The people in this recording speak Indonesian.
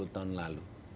sepuluh tahun lalu